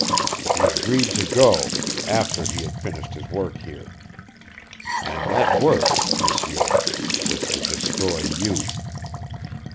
He agreed to go after he had finished his work here. And that work M'sieur was to destroy you.